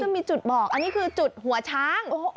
มีจุดบอกอันนี้คือจุดหัวช้าง